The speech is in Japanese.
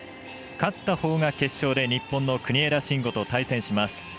勝ったほうが決勝で日本の国枝慎吾と対戦します。